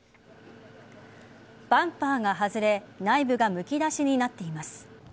バンパーが外れ内部がむき出しになっています。